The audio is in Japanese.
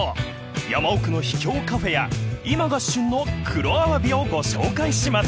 ［山奥の秘境カフェや今が旬の黒アワビをご紹介します］